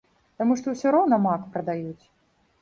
Таму што ўсё роўна мак прадаюць.